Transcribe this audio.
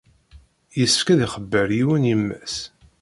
Yessefk ad ixebber yiwen yemma-s.